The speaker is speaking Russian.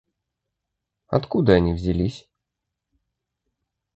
Откуда они взялись?